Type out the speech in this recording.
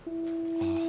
ああ。